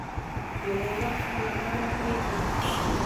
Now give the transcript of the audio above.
یوه ورځ خپله غاړه پرې کړه .